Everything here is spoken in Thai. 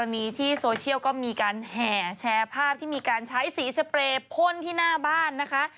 มีการแห่แชร์ภาพที่มีการใช้สีสเปรย์พ่นที่หน้าบ้านนะคะ